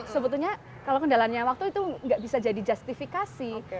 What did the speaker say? sebetulnya kalau kendalanya waktu itu nggak bisa jadi justifikasi